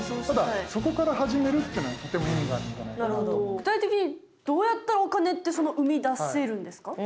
具体的にどうやったらお金ってうみだせるんですか？